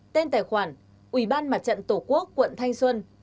tên tài khoản ủy ban mặt trận tổ quốc quận thanh xuân